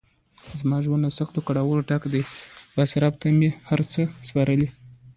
زما ژوند له سختو کړاونو ډګ ده بس رب ته مې هر څه سپارلی.